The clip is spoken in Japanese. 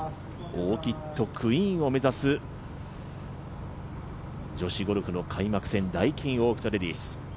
オーキッドクイーンを目指す女子ゴルフの開幕戦ダイキンオーキッドレディス。